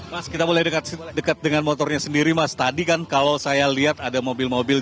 mas kita mulai dekat dengan motornya sendiri mas tadi kan kalau saya lihat ada mobil mobil